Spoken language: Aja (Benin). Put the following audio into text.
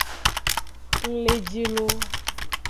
Ng le ji lo.